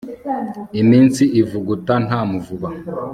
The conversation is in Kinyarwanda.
iminsi ivuguta nta muvuba